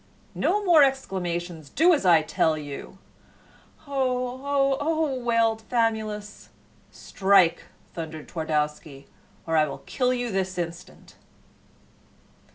"No more exclamations. Do as I tell you." "Oh, oh, oh!" wailed Famulus. "Strike!" thundered Twardowski, "or I will kill you this instant."